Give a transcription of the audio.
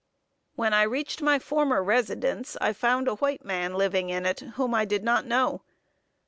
When I reached my former residence, I found a white man living in it, whom I did not know.